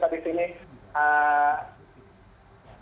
jadi apa bisa dibilang